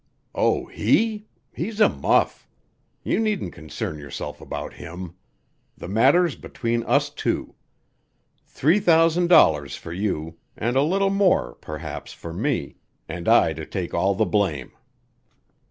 "Oh, he? He's a muff. You needn't concern yourself about him. The matter's between us two. Three thousand dollars for you, and a little more, perhaps, for me, and I to take all the blame."